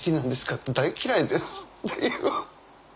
って「大嫌いです」っていう。